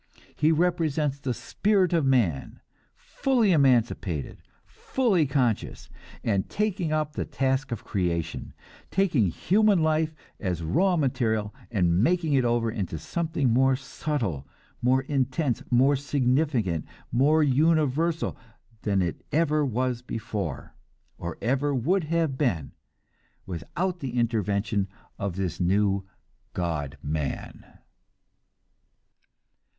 He represents the spirit of man, fully emancipated, fully conscious, and taking up the task of creation; taking human life as raw material, and making it over into something more subtle, more intense, more significant, more universal than it ever was before, or ever would have been without the intervention of this new God man.